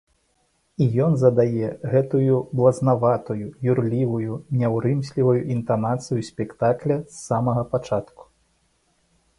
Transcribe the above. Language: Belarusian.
І ён задае гэтую блазнаватую, юрлівую, няўрымслівую інтанацыю спектакля з самага пачатку.